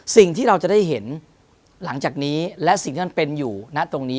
สิ่งที่เราจะได้เห็นหลังจากนี้และสิ่งที่มันเป็นอยู่ณตรงนี้